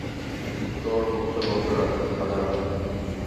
তোর মুখটা বন্ধ রাখ, হাঁদারাম!